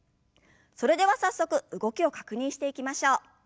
それでは早速動きを確認していきましょう。